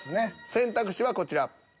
選択肢はこちら。